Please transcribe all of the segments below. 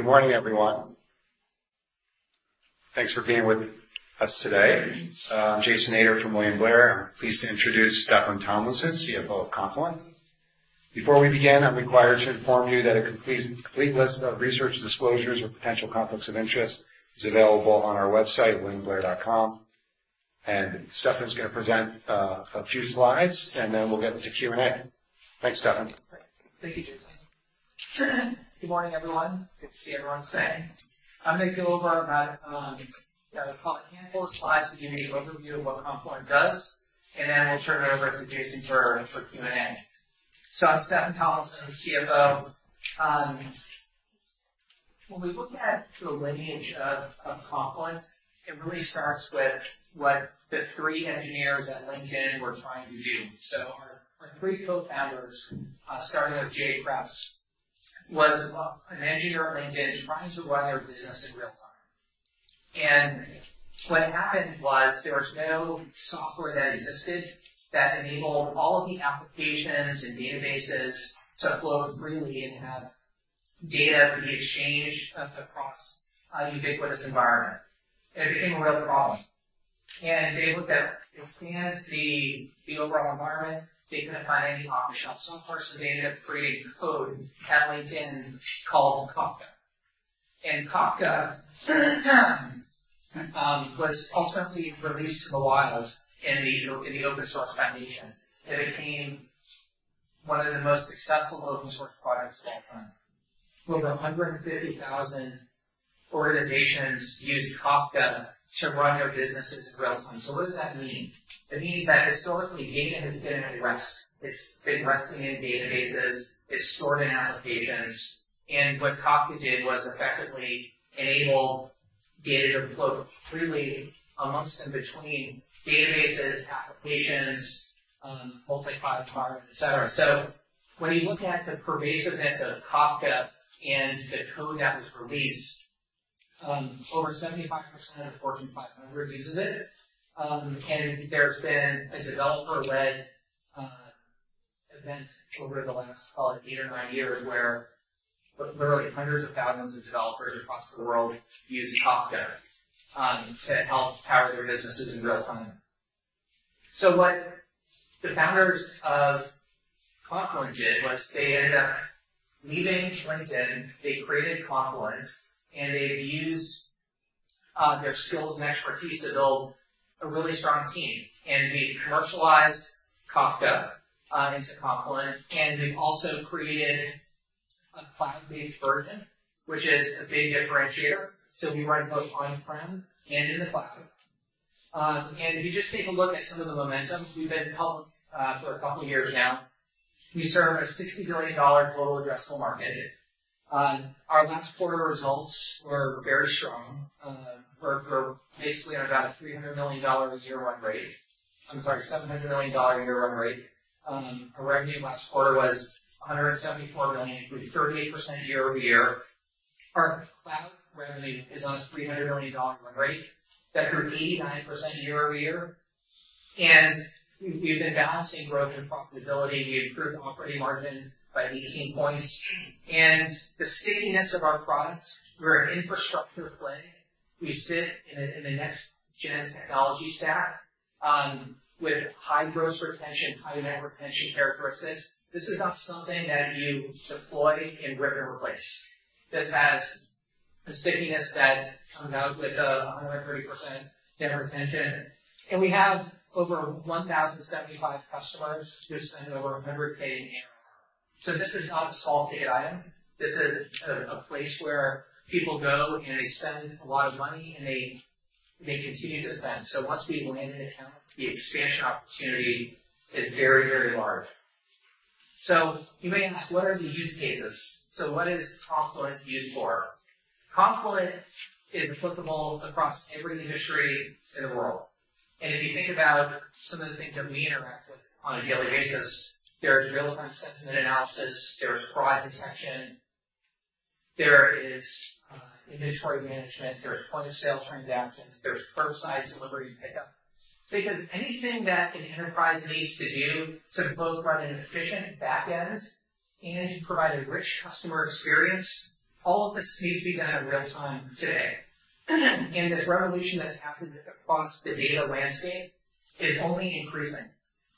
Good morning, everyone. Thanks for being with us today. I'm Jason Ader from William Blair. I'm pleased to introduce Steffan Tomlinson, CFO of Confluent. Before we begin, I'm required to inform you that a complete list of research disclosures or potential conflicts of interest is available on our website, williamblair.com. Steffan is going to present a few slides, and then we'll get into Q&A. Thanks, Steffan. Thank you, Jason. Good morning, everyone. Good to see everyone today. I'm going to go over about, yeah, a handful of slides to give you an overview of what Confluent does, and then I'll turn it over to Jason for Q&A. I'm Steffan Tomlinson, CFO. When we look at the lineage of Confluent, it really starts with what the 3 engineers at LinkedIn were trying to do. Our 3 cofounders, starting with Jay Kreps, was an engineer at LinkedIn trying to run their business in real time. What happened was there was no software that existed that enabled all of the applications and databases to flow freely and have data be exchanged across a ubiquitous environment. It became a real problem, they looked at expand the overall environment. They couldn't find any off-the-shelf. Unfortunately, they ended up creating code at LinkedIn called Kafka. Kafka was ultimately released to the wild in the Apache Software Foundation. It became one of the most successful open source products of all time, with 150,000 organizations using Kafka to run their businesses in real time. What does that mean? It means that historically, data has been at rest. It's been resting in databases, it's stored in applications, and what Kafka did was effectively enable data to flow freely amongst and between databases, applications, multi-cloud environment, et cetera. When you look at the pervasiveness of Kafka and the code that was released, over 75% of Fortune 500 uses it. There's been a developer-led event over the last, call it eight or nine years, where literally hundreds of thousands of developers across the world use Kafka to help power their businesses in real time. What the founders of Confluent did was they ended up leaving LinkedIn, they created Confluent, and they've used their skills and expertise to build a really strong team, and they commercialized Kafka into Confluent. They've also created a cloud-based version, which is a big differentiator. We run both on-prem and in the cloud. If you just take a look at some of the momentum, we've been public for a couple of years now. We serve a $60 billion total addressable market. Our last quarter results were very strong, we're basically on about a $300 million a year run rate. I'm sorry, $700 million a year run rate. Our revenue last quarter was $174 million, with 38% year-over-year. Our cloud revenue is on a $300 million run rate. That grew 89% year-over-year, and we've been balancing growth and profitability. We improved operating margin by 18 points. The stickiness of our products, we're an infrastructure play. We sit in the Next-Gen technology stack, with high gross retention, high net retention characteristics. This is not something that you deploy and rip and replace. This has a stickiness that comes out with 130% net retention. We have over 1,075 customers who spend over $100K a year. This is not a small state item. This is a place where people go, and they spend a lot of money, and they continue to spend. Once we land an account, the expansion opportunity is very, very large. You may ask: What are the use cases? What is Confluent used for? Confluent is applicable across every industry in the world. If you think about some of the things that we interact with on a daily basis, there's real-time sentiment analysis, there's fraud detection, there is inventory management, there's point-of-sale transactions, there's curbside delivery pickup. Think of anything that an enterprise needs to do to both run an efficient back end and provide a rich customer experience, all of this needs to be done in real time today. This revolution that's happened across the data landscape is only increasing.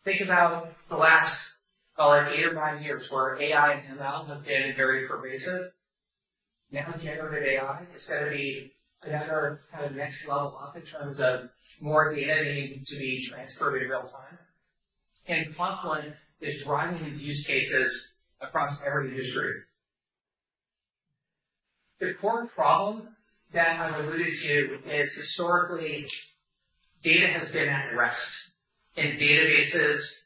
Think about the last, call it 8 or 9 years, where AI and ML have been very pervasive. Generative AI is gonna be another kind of next level up in terms of more data needing to be transferred in real time, and Confluent is driving these use cases across every industry. The core problem that I've alluded to is historically, data has been at rest in databases,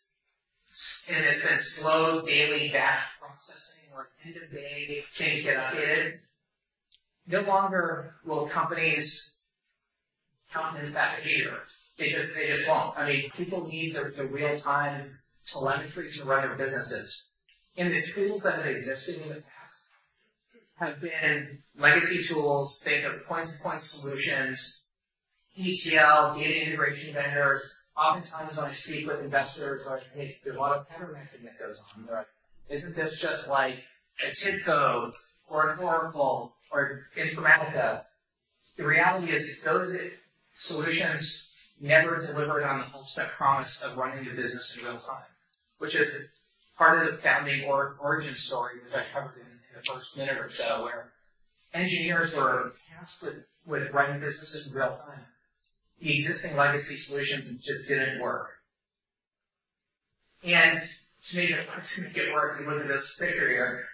and it's been slow daily batch processing or end-of-day things get updated. No longer will companies tolerate that behavior. They just won't. I mean, people need the real-time telemetry to run their businesses. The tools that have existed in the past have been legacy tools. They are point-to-point solutions, ETL, data integration vendors. Oftentimes, when I speak with investors, like, hey, there's a lot of cover marketing that goes on. They're like, Isn't this just like a TIBCO, or an Oracle, or Informatica? The reality is those solutions never delivered on the ultimate promise of running the business in real time, which is part of the founding or origin story, which I covered in the first minute or so, where engineers were tasked with running businesses in real time. The existing legacy solutions just didn't work. To make it worse, if you look at this picture here,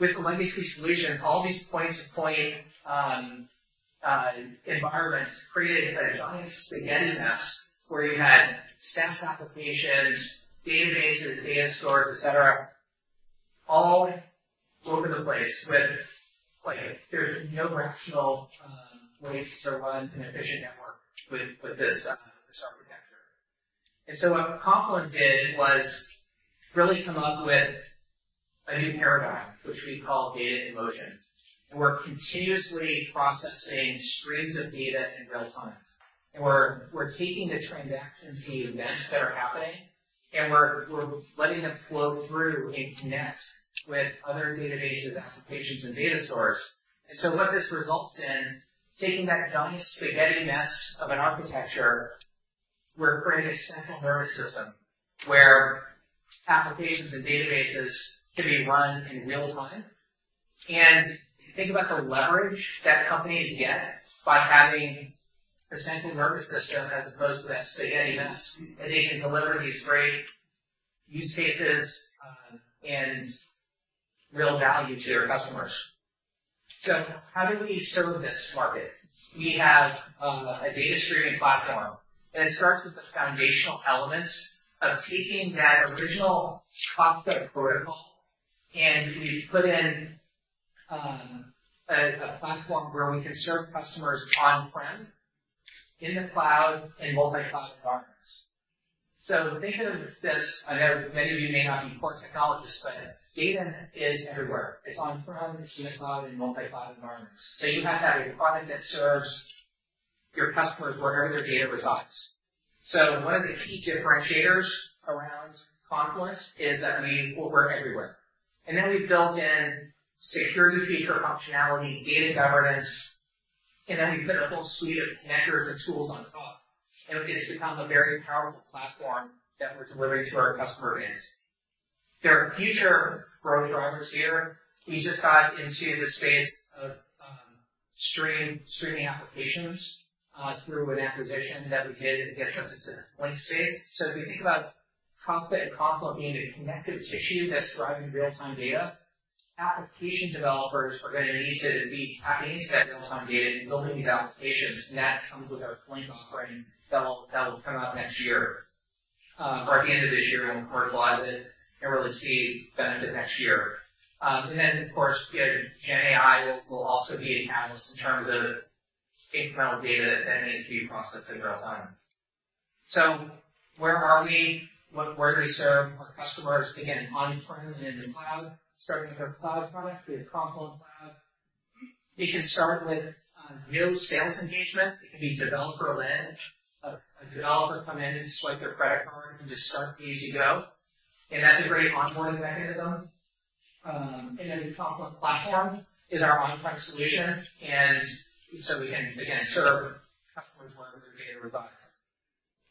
with the legacy solutions, all these point-to-point environments created a giant spaghetti mess where you had SaaS applications, databases, data stores, et cetera, all over the place with, like, there's no rational way to run an efficient network with this architecture. What Confluent did was really come up with a new paradigm, which we call data in motion, and we're continuously processing streams of data in real time. We're taking the transaction fee events that are happening, and we're letting them flow through and connect with other databases, applications, and data stores. What this results in, taking that giant spaghetti mess of an architecture, we're creating a central nervous system where applications and databases can be run in real time. Think about the leverage that companies get by having a central nervous system as opposed to that spaghetti mess, and they can deliver these great use cases and real value to their customers. How do we serve this market? We have a data streaming platform, and it starts with the foundational elements of taking that original Kafka protocol, and we've put in a platform where we can serve customers on-prem, in the cloud, and multi-cloud environments. Think of this, I know many of you may not be core technologists, but data is everywhere. It's on-prem, it's in the cloud, and multi-cloud environments. You have to have a product that serves your customers wherever their data resides. One of the key differentiators around Confluent is that we work everywhere. We've built in security feature functionality, data governance, and then we put a whole suite of connectors and tools on top, and it's become a very powerful platform that we're delivering to our customer base. There are future growth drivers here. We just got into the space of streaming applications through an acquisition that we did that gets us into the Flink space. If you think about Kafka and Confluent being the connective tissue that's driving real-time data, application developers are going to need to be tapping into that real-time data and building these applications, and that comes with our Flink offering that will come out next year. At the end of this year, we'll commercialize it and really see benefit next year. Of course, again, GenAI will also be a catalyst in terms of incremental data that needs to be processed in real time. Where are we? Where do we serve our customers? Again, on-prem and in the cloud. Starting with our cloud product, we have Confluent Cloud. We can start with engagement. It can be developer led. A developer come in and swipe their credit card and just start easy go, and that's a great onboarding mechanism. Then the Confluent Platform is our on-prem solution. We can, again, serve customers wherever their data resides.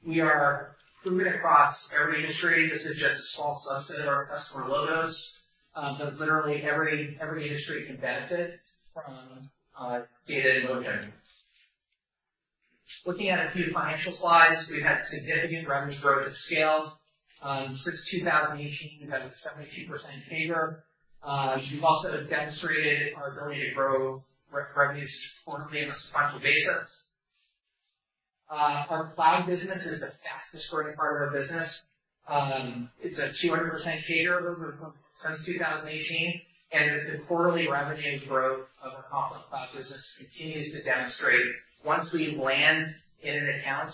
We are proven across every industry. This is just a small subset of our customer logos, but literally every industry can benefit from data in motion. Looking at a few financial slides, we've had significant revenue growth at scale. Since 2018, we've had a 72% CAGR. We've also demonstrated our ability to grow revenues quarterly on a sequential basis. Our cloud business is the fastest-growing part of our business. It's a 200% CAGR over since 2018, and the quarterly revenue growth of our Confluent Cloud business continues to demonstrate. Once we land in an account,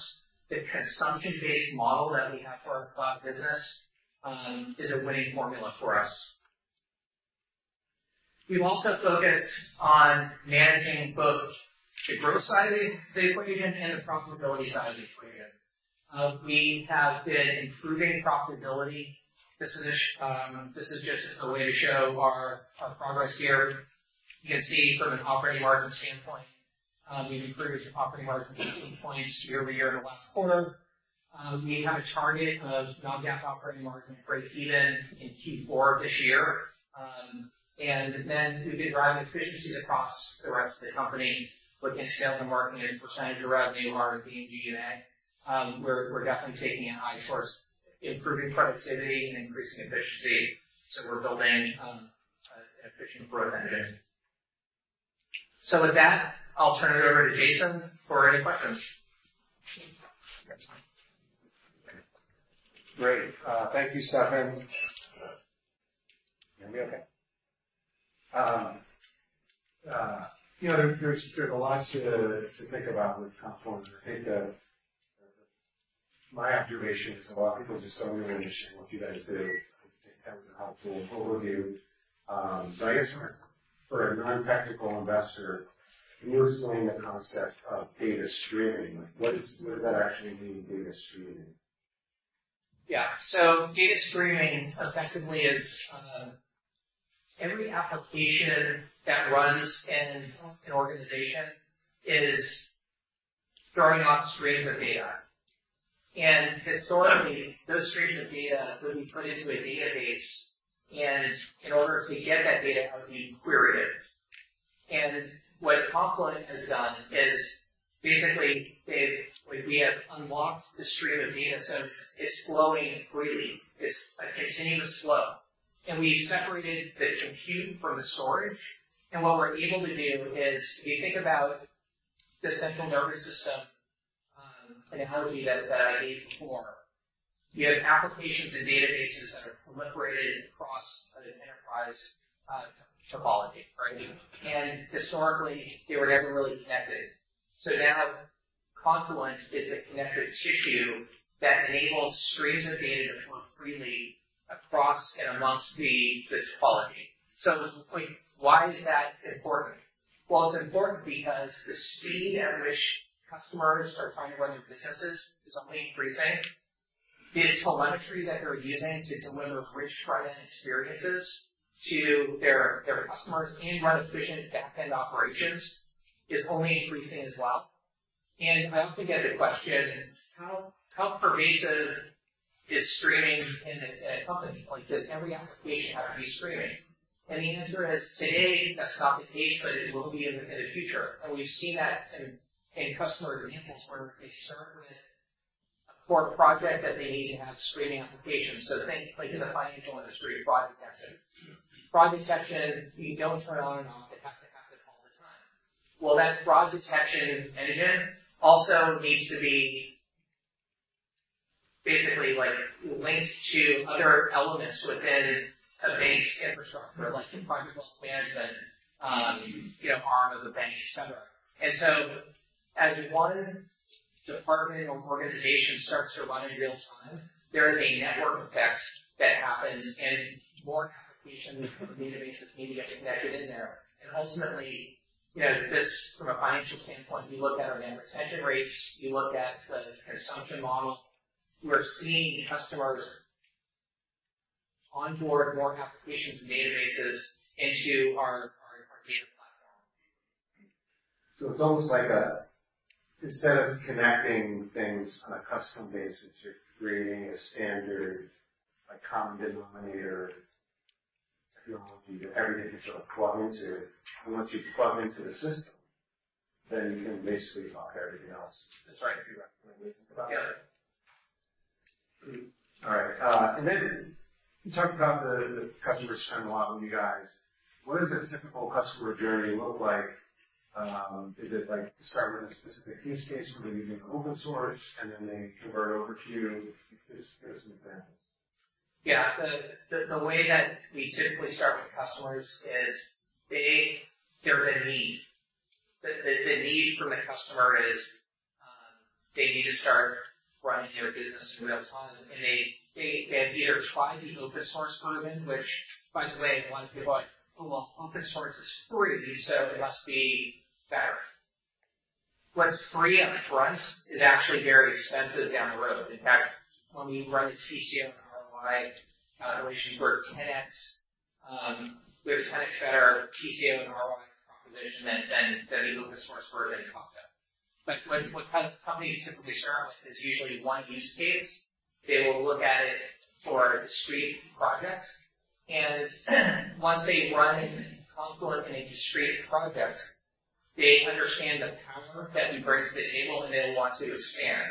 the consumption-based model that we have for our cloud business, is a winning formula for us. We've also focused on managing both the growth side of the equation and the profitability side of the equation. We have been improving profitability. This is, this is just a way to show our progress here. You can see from an operating margin standpoint, we've improved the operating margin 15 points year-over-year in the last quarter. We have a target of non-GAAP operating margin break even in Q4 this year. We've been driving efficiencies across the rest of the company within sales and marketing as a percentage of revenue, R&D and G&A. We're definitely taking an eye towards improving productivity and increasing efficiency, so we're building an efficient growth engine. With that, I'll turn it over to Jason for any questions. Great. Thank you, Steffan. You're gonna be okay. You know, there's a lot to think about with Confluent. My observation is a lot of people just don't really understand what you guys do. I think that was a helpful overview. I guess for a non-technical investor, can you explain the concept of data streaming? Like, what does that actually mean, data streaming? Yeah. Data streaming effectively is every application that runs in an organization is throwing off streams of data. Historically, those streams of data would be put into a database, and in order to get that data out, you'd query it. What Confluent has done is basically we have unlocked the stream of data, so it's flowing freely. It's a continuous flow, and we've separated the compute from the storage. What we're able to do is, if you think about the central nervous system, analogy that I gave before, you have applications and databases that are proliferated across an enterprise, topology, right? Historically, they were never really connected. Now Confluent is the connective tissue that enables streams of data to flow freely across and amongst the topology. Why is that important? It's important because the speed at which customers are trying to run their businesses is only increasing. The telemetry that they're using to deliver rich front-end experiences to their customers and run efficient back-end operations is only increasing as well. I often get the question: How pervasive is streaming in a company? Like, does every application have to be streaming? The answer is, today, that's not the case, but it will be in the future. We've seen that in customer examples where they start with for a project that they need to have streaming applications. Think like in the financial industry, fraud detection. Yeah. Fraud detection, you don't turn it on and off. It has to happen all the time. Well, that fraud detection engine also needs to be basically, like, linked to other elements within a bank's infrastructure, like environmental management, you know, arm of a bank, et cetera. As one department or organization starts to run in real time, there is a network effect that happens, more applications and databases need to get connected in there. Ultimately, you know this from a financial standpoint, you look at retention rates, you look at the consumption model. We're seeing customers onboard more applications and databases into our data platform. Instead of connecting things on a custom basis, you're creating a standard, a common denominator technology that everything can sort of plug into. Once you plug into the system, then you can basically talk to everything else. That's right. You're right. Yeah. All right, you talked about the customers spend a lot with you guys. What does a typical customer journey look like? Is it like start with a specific use case, where they use an open source and then they convert over to you? Just give some examples. Yeah. The way that we typically start with customers is there's a need. The need from the customer is they need to start running their business in real time, and they have either tried the open source version, which, by the way, a lot of people are like, "Well, open source is free, so it must be better." What's free up front is actually very expensive down the road. In fact, when we run a TCO and ROI ratios we're 10X. We have a 10X better TCO and ROI proposition than the open source version of Confluent. What companies typically start with is usually one use case. They will look at it for a discrete project, and once they run Confluent in a discrete project, they understand the power that we bring to the table, and they'll want to expand.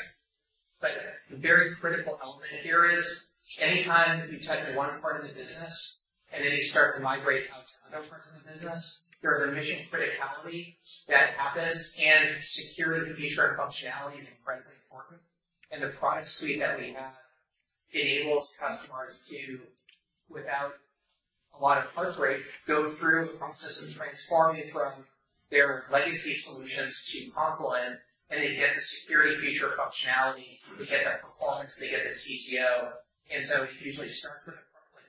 The very critical element here is anytime you touch one part of the business, and then you start to migrate out to other parts of the business, there's a mission criticality that happens, and security, feature, and functionality is incredibly important. The product suite that we have enables customers to, without a lot of heartbreak, go through a process of transforming from their legacy solutions to Confluent, and they get the security feature functionality. They get that performance, they get the TCO, it usually starts with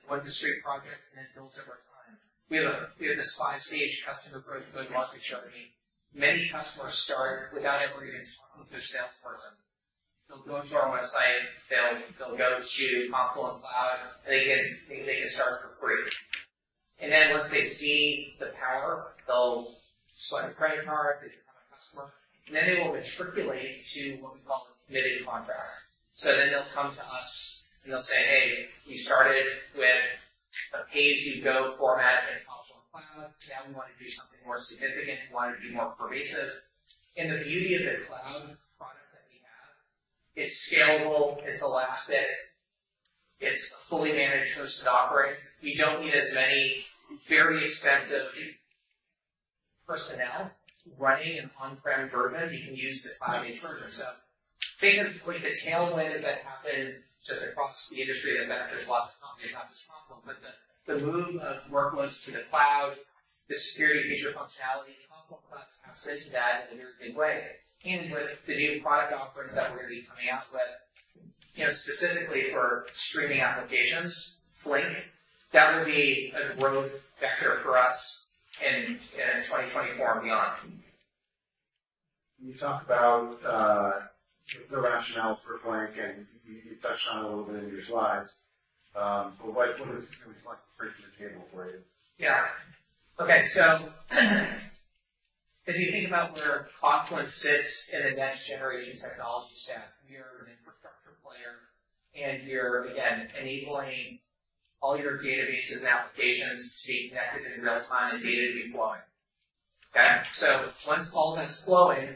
one discrete project and then builds over time. We have this 5-stage customer growth and adoption journey. Many customers start without ever even talking to a salesperson. They'll go to our website, they'll go to Confluent Cloud, they can get started for free. Then once they see the power, they'll swipe a credit card, they become a customer, and then they will matriculate to what we call a committed contract. Then they'll come to us, and they'll say, "Hey, we started with a pay-as-you-go format in Confluent Cloud. Now we want to do something more significant. We want it to be more pervasive." The beauty of the cloud product that we have, it's scalable, it's elastic, it's a fully managed hosted offering. We don't need as many very expensive personnel running an on-prem version. We can use the cloud-native version. Think of like the tailwinds that happen just across the industry that benefits lots of companies, not just Confluent, the move of workloads to the cloud. The security feature functionality, Confluent Cloud taps into that in a big way. With the new product offerings that we're gonna be coming out with, you know, specifically for streaming applications, Flink, that will be a growth vector for us in 2024 and beyond. You talked about the rationale for Flink, and you touched on it a little bit in your slides. What does it look like breaking the table for you? Yeah. Okay, if you think about where Confluent sits in a next generation technology stack, we are an infrastructure player, and we're again, enabling all your databases and applications to be connected in real time and data to be flowing. Okay? Once all that's flowing,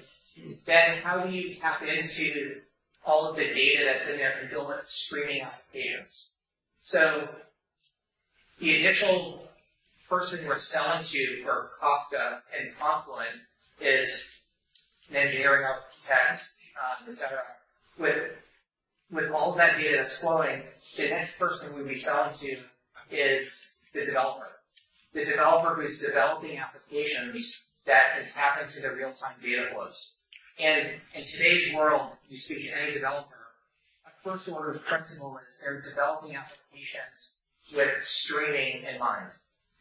then how do you tap into all of the data that's in there and build streaming applications? The initial person we're selling to for Kafka and Confluent is the engineering architect, et cetera. With all of that data that's flowing, the next person we'll be selling to is the developer. The developer who's developing applications that is tapping to the real-time data flows. In today's world, you speak to any developer, a first order principle is they're developing applications with streaming in mind.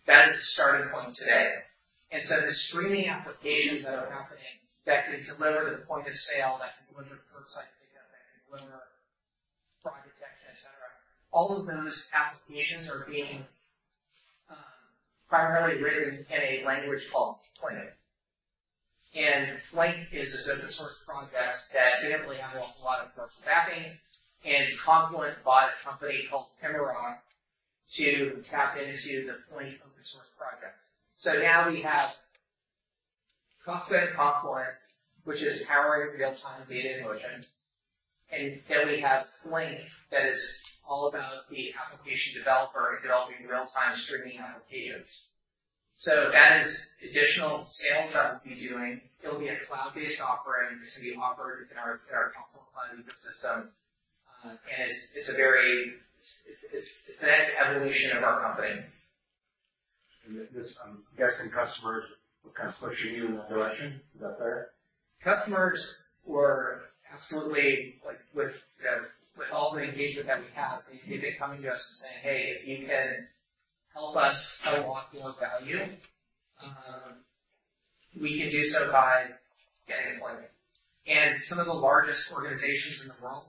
That is the starting point today. The streaming applications that are happening that can deliver the point of sale, that can deliver curbside pickup, and deliver fraud detection, et cetera. All of those applications are being primarily written in a language called Flink. Flink is this open source project that didn't really have a lot of commercial mapping, and Confluent bought a company called Immerok to tap into the Flink open source project. Now we have Kafka in Confluent, which is powering real-time data in motion, and then we have Flink, that is all about the application developer developing real-time streaming applications. That is additional sales that we'll be doing. It'll be a cloud-based offering. It's gonna be offered in our, in our Confluent Cloud ecosystem. It's the next evolution of our company. This, guessing customers are kind of pushing you in that direction? Is that fair? Customers were absolutely like, with the, with all the engagement that we have, they've been coming to us and saying, "Hey, if you can help us unlock more value, we can do so by getting Flink." Some of the largest organizations in the world,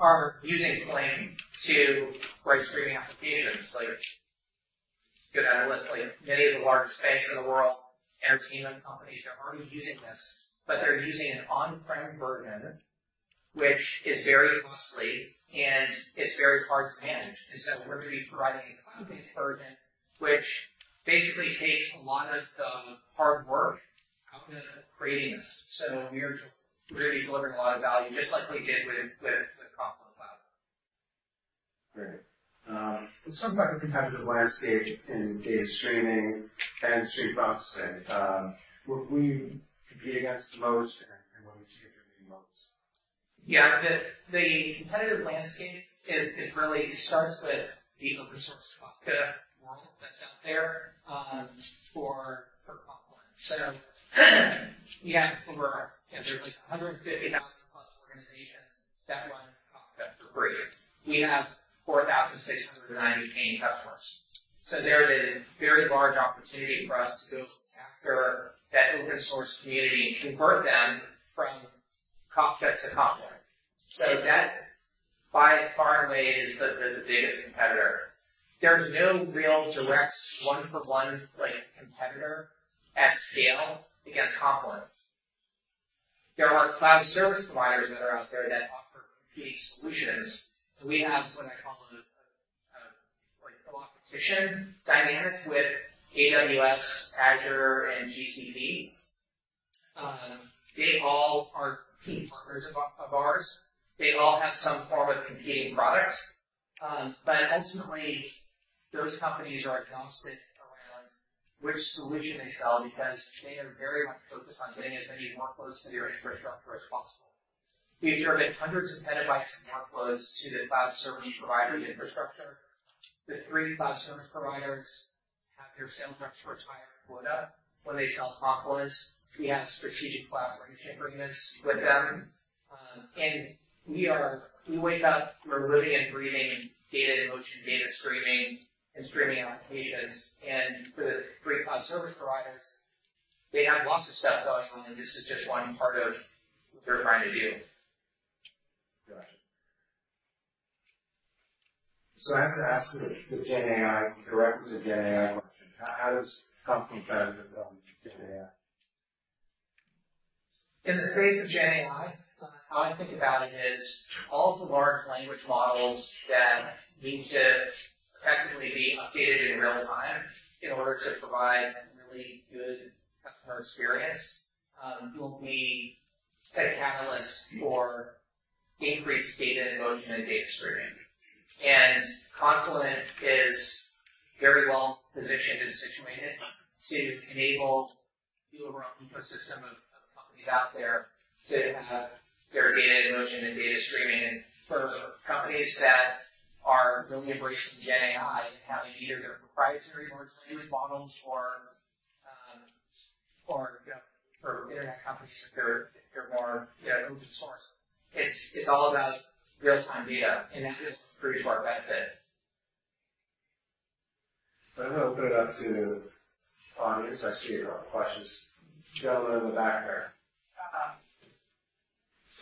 are using Flink to write streaming applications, like, like many of the largest banks in the world, entertainment companies, they're already using this, but they're using an on-prem version, which is very costly, and it's very hard to manage. We're gonna be providing a cloud-based version, which basically takes a lot of the hard work out of creating this. We are really delivering a lot of value, just like we did with Confluent Cloud. Great. Let's talk about the competitive landscape in data streaming and stream processing. What we compete against the most and what we see the most? Yeah. The competitive landscape really starts with the open source Kafka world that's out there for Confluent. Again, we're, you know, there's, like, 150,000+ organizations that run Kafka for free. We have 4,690 paying customers. There is a very large opportunity for us to go after that open source community and convert them from Kafka to Confluent. That by far and away is the biggest competitor. There's no real direct one-for-one, like, competitor at scale against Confluent. There are cloud service providers that are out there that offer competing solutions, we have what I call a, like, co-competition dynamic with AWS, Azure, and GCP. They all are key partners of ours. They all have some form of competing product. Ultimately, those companies are agnostic around which solution they sell because they are very much focused on getting as many workloads to their infrastructure as possible. We've driven hundreds of petabytes of workloads to the cloud service provider infrastructure. The 3 cloud service providers have their sales representatives quota when they sell Confluent. We have strategic collaboration agreements with them. We wake up, we're living and breathing data in motion, data streaming and streaming applications. For the 3 cloud service providers, they have lots of stuff going on, and this is just 1 part of what they're trying to do. Gotcha. I have to ask you, the GenAI, the requisite GenAI question. How does Confluent benefit from GenAI? In the space of GenAI, how I think about it is all the large language models that need to effectively be updated in real time in order to provide a really good customer experience, will be a catalyst for increased data in motion and data streaming. Confluent is very well positioned and situated to enable the overall ecosystem out there to have their data in motion and data streaming. For the companies that are really embracing GenAI and having either their proprietary models or, you know, for internet companies, if they're more open source. It's all about real-time data, and that is pretty to our benefit. I'm going to open it up to audience. I see questions. Gentleman in the back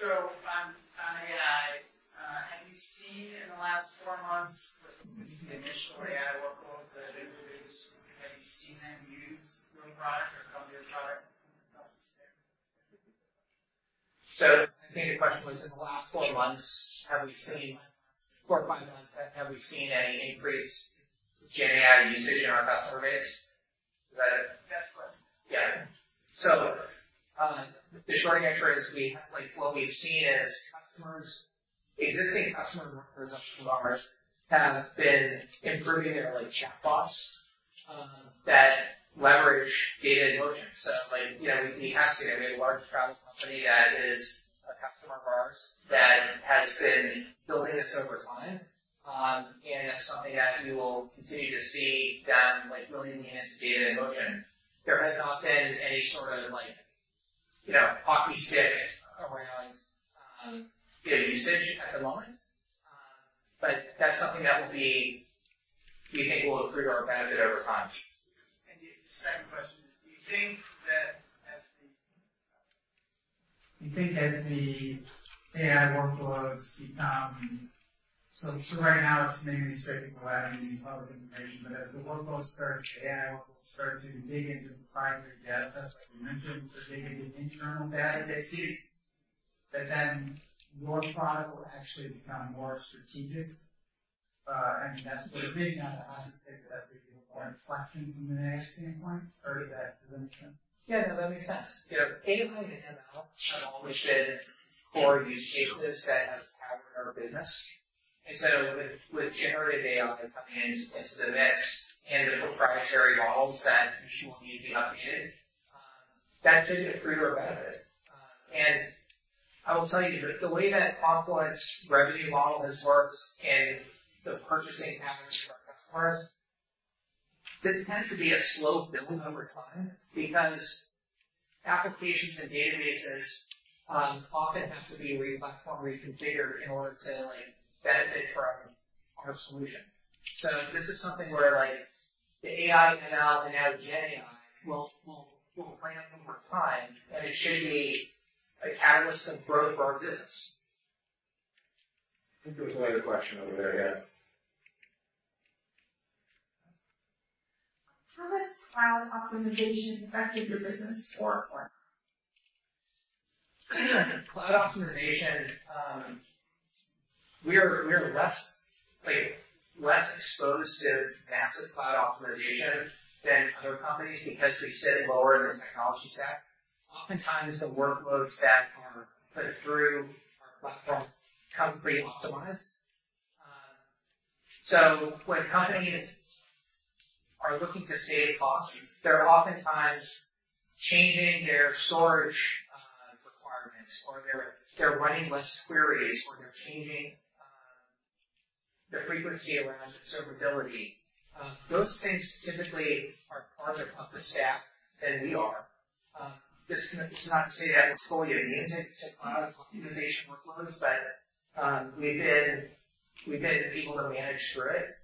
there. On AI, have you seen in the last 4 months, at least the initial AI workloads that have been released, have you seen them use your product or come to your product? I think the question was, in the last 4 months, have we seen... Four, five months. Four, 5 months, have we seen any increase GenAI decision in our customer base? Is that it? That's correct. Yeah. The short answer is, like, what we've seen is customers, existing customers of ours have been improving their, like, chatbots that leverage data in motion. Like, you know, we have a large travel company that is a customer of ours that has been building this over time. It's something that we will continue to see them, like, leaning into data in motion. There has not been any sort of, like, you know, hockey stick around data usage at the moment. That's something We think will improve our benefit over time. The second question is, do you think that as the AI workloads become, right now, it's mainly strictly related to public information, but as the workloads start, AI workloads start to dig into proprietary data, that's what you mentioned, dig into internal data sets, that then your product will actually become more strategic? That's what it may not have to say, but that's where you are reflecting from an AI standpoint, or does that make sense? Yeah, no, that makes sense. You know, AI and ML have always been core use cases that have powered our business. With Generative AI coming into the mix and the proprietary models that you will need to be updated, that should improve our benefit. I will tell you that the way that Confluent's revenue model has worked and the purchasing patterns for our customers, this tends to be a slow build over time because applications and databases often have to be replatformed, reconfigured in order to, like, benefit from our solution. This is something where, like, the AI, ML, and now GenAI will ramp over time, and it should be a catalyst of growth for our business. I think there was another question over there. Yeah. How has cloud optimization affected your business or work? Cloud optimization, we are less, like, less exposed to massive cloud optimization than other companies because we sit lower in the technology stack. Oftentimes, the workloads that are put through our platform come pre-optimized. When companies are looking to save costs, they're oftentimes changing their storage requirements, or they're running less queries, or they're changing the frequency around observability. Those things typically are farther up the stack than we are. This is not to say that we're totally immune to cloud optimization workloads, but we've been able to manage through it.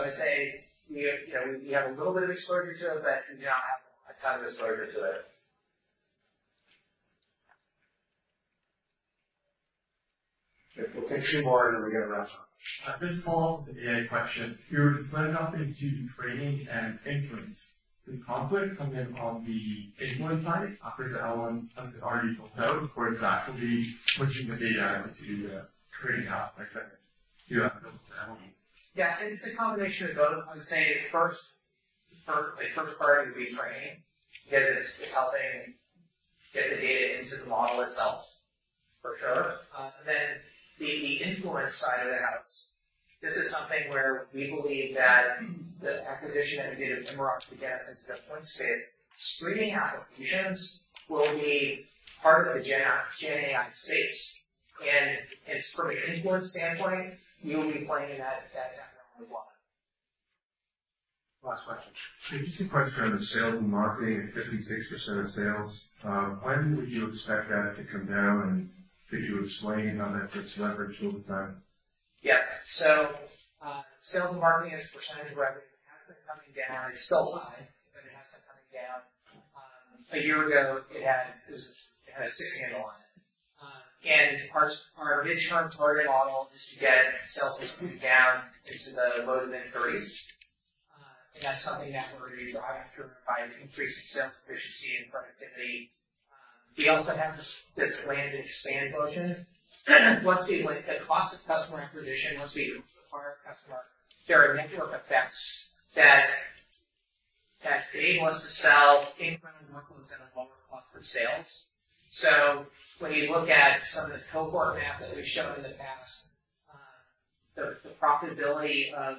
I'd say we, you know, we have a little bit of exposure to it, but we don't have a ton of exposure to it. We'll take 2 more. We're going to wrap up. This follows the AI question. You were splitting it up into training and inference. Does Confluent come in on the inference side after the LLM has already been built out, or is that going to be pushing the data into the training aspect that you have? Yeah, it's a combination of both. I would say the first part would be training because it's helping get the data into the model itself, for sure. Then the inference side of the house, this is something where we believe that the acquisition that we did of Immerok to get us into the Flink space, streaming applications will be part of the GenAI space. As from an inference standpoint, we will be playing in that definitely. Last question. Interesting question on the sales and marketing at 56% of sales. When would you expect that to come down, and could you explain how that gets leveraged over time? Yes. Sales and marketing as a percentage of revenue has been coming down. It's still high, but it has been coming down. A year ago, it had a 6 handle on it. Our midterm target model is to get sales down into the low to mid-30s. That's something that we're going to drive through by increasing sales efficiency and productivity. We also have this land and expand motion. The cost of customer acquisition, once we acquire a customer, there are network effects that enable us to sell incremental workloads at a lower cost of sales. When you look at some of the cohort math that we've shown in the past, the profitability of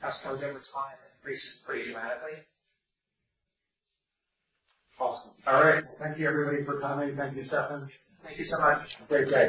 customers over time increases pretty dramatically. Awesome. All right. Thank you, everybody, for coming. Thank you, Steffan. Thank you so much. Great day.